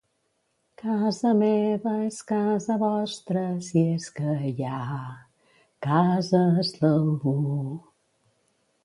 Casa meva és casa vostra si és que hi ha cases d'algú.